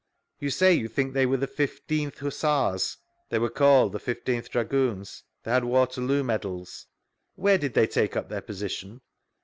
You say you think they were the 1 5th Hussars F —They were called the 15th Dragoons; they had Waterloo medals. Where did they take up their position?